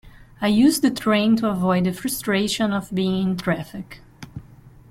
I use the train to avoid the frustration of being in traffic.